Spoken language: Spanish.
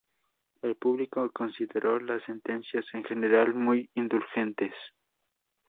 El público consideró las sentencias, en general, muy indulgentes.